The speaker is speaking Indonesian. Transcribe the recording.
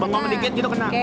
bangkong sedikit gitu kena